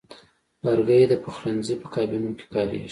لرګی د پخلنځي په کابینو کې کاریږي.